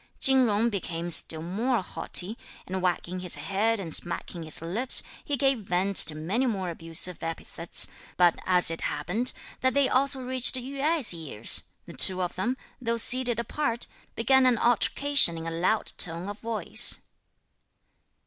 Chin Jung became still more haughty, and wagging his head and smacking his lips, he gave vent to many more abusive epithets; but as it happened that they also reached Yü Ai's ears, the two of them, though seated apart, began an altercation in a loud tone of voice.